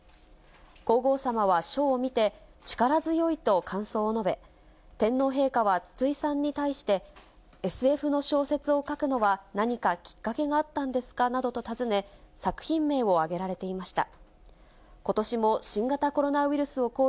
皇后さまは書を見て、力強いと感想を述べ、天皇陛下は筒井さんに対して、ＳＦの小説を書くのは何かきっかけがあったんですか？などと尋ね、作品名を挙げられていました。